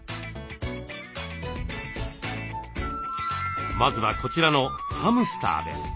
まずはこちらのハムスターです。